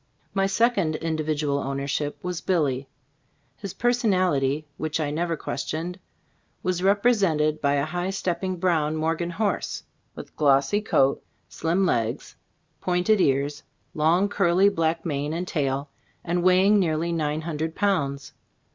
My second individual ownership was "Billy/' His personality (which I never questioned), was represented by a high stepping brown Morgan horse, with glossy coat, slim legs, pointed ears, long curly black mane and tail, and weighing nearly nine hundred pounds.